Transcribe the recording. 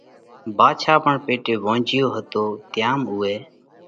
ڀاڌشا پڻ پيٽي وونجھِيو هتو تيام اُوئہ